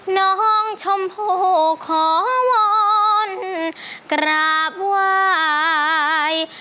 น้องชมพู่ขอวอนกราบไหว้